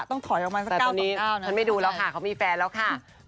แต่ตอนนี้ฉันไม่ดูแล้วค่ะเขามีแฟนแล้วค่ะ